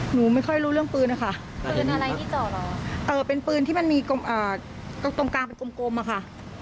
หนูไม่ค่อยรู้เรื่องปืนอ่ะค่ะเออเป็นปืนที่มันมีตรงกลางเป็นกลมอ่ะค่ะ